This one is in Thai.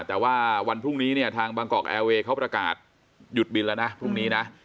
แต่ว่าวันพรุ่งนี้เนี่ยทางบางกอกแอร์เวย์เขาประกาศหยุดบินแล้วนะพรุ่งนี้นะ